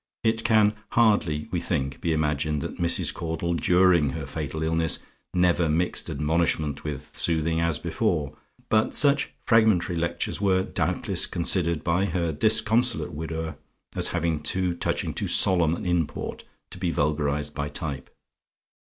It can hardly, we think, be imagined that Mrs. Caudle, during her fatal illness, never mixed admonishment with soothing as before; but such fragmentary Lectures were, doubtless, considered by her disconsolate widower as having too touching, too solemn an import to be vulgarised by type.